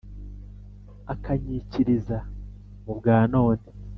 Akanyikiriza mu bwa none